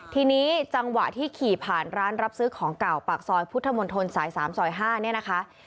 ทีนี้จังหวะที่ขี่ผ่านร้านรับซื้อของเก่าปากซอยพุทธมนตรสาย๓ซอย๕เนี่ยนะคะ